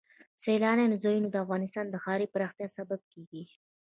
سیلانی ځایونه د افغانستان د ښاري پراختیا سبب کېږي.